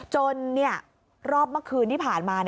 จนรอบเมื่อคืนที่ผ่านมา